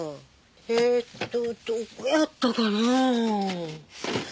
えーっとどこやったかな？